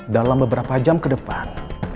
dalam beberapa jam ke depan